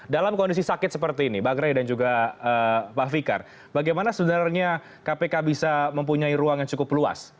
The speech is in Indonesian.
dalam kondisi sakit seperti ini bang ray dan juga pak fikar bagaimana sebenarnya kpk bisa mempunyai ruang yang cukup luas